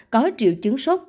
có triệu chứng sốt